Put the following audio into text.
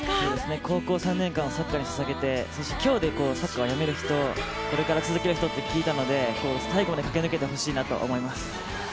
高校３年間サッカーにささげて、きょうでサッカーを辞める人、続ける人もいると思うので最後まで駆け抜けてほしいなと思います。